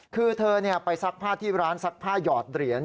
คือเธอไปซักผ้าที่ร้านซักผ้าหยอดเหรียญ